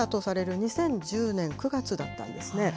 ２０１０年９月だったんですね。